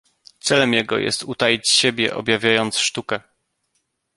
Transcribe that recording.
Celem jego jest utaić siebie, objawiając sztukę.